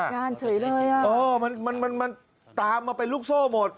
ตกงานเฉยเลยมันตามมาไปลุกโซ่หมด